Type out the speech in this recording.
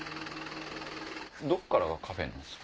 どっからがカフェなんですか？